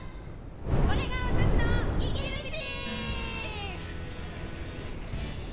「これが私の生きる道」。